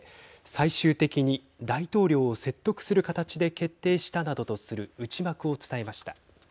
最終的に大統領を説得する形で決定したなどとする内幕を伝えました。